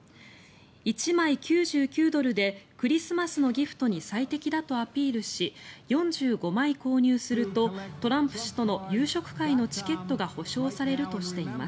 １枚９９ドルでクリスマスのギフトに最適だとアピールし４５枚購入するとトランプ氏との夕食会のチケットが保証されるとしています。